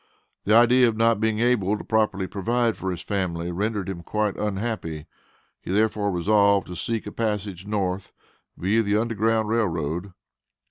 The idea of not being able to properly provide for his family rendered him quite unhappy; he therefore resolved to seek a passage North, via the Underground Rail Road.